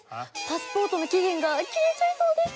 パスポートの期限が切れちゃいそうです。